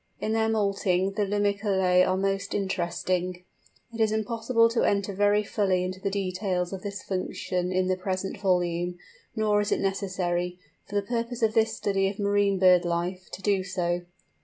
In their moulting the Limicolæ are most interesting. It is impossible to enter very fully into the details of this function in the present volume, nor is it necessary, for the purpose of this study of marine bird life, to do so.